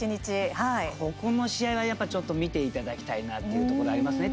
ここの試合は、ちょっと見ていただきたいなっていうところありますね